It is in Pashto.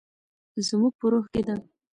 زموږ په روح کې ده.